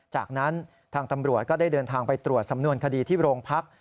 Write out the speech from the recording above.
จากนั้นทางตำรวจก็ได้เดินทางไปตรวจสำนวนคดีที่โรงพัก